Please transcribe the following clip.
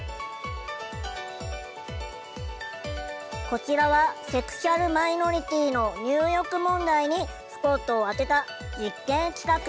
こちらはセクシュアルマイノリティーの入浴問題にスポットを当てた実験企画。